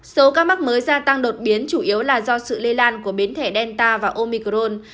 số ca mắc mới gia tăng đột biến chủ yếu là do sự lây lan của biến thể delta và omicron